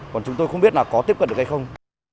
còn chúng tôi không biết là có tiếp cận được hay không